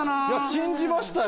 信じましたよ！